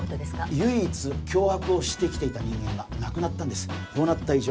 唯一脅迫をしてきていた人間が亡くなったこうなった以上